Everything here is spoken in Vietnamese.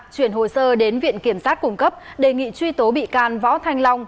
chuyển hồ sơ đến viện kiểm sát cung cấp đề nghị truy tố bị can võ thanh long